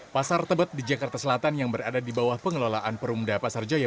pasar tebet di jakarta selatan yang berada di bawah pengelolaan perumda pasar jaya